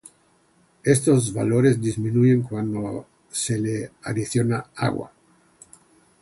Estos valores disminuyen cuando se le adiciona agua.